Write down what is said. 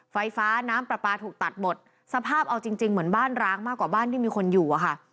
ไฟฟ้าน้ำปลาปลาถูกตัดหมดสภาพเอาจริงจริงเหมือนบ้านร้างมากกว่าบ้านที่มีคนอยู่อะค่ะ